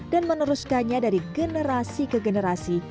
dan meneruskannya dari generasi ke generasi